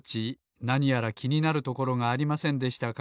なにやらきになるところがありませんでしたか？